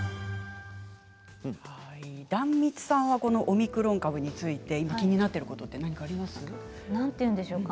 壇蜜さんはこのオミクロン株について今、気になっていることは何かありますか？